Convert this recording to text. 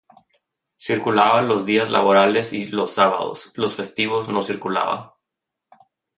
Circulaba los días laborables y los sábados, los festivos no circulaba.